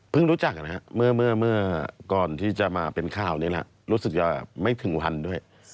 รู้จักนะครับเมื่อก่อนที่จะมาเป็นข่าวนี่แหละรู้สึกจะไม่ถึงวันด้วย